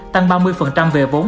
tăng ba mươi về vốn